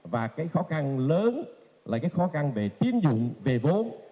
và cái khó khăn lớn là cái khó khăn về tín dụng về vốn